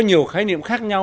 có nhiều khái niệm khác nhau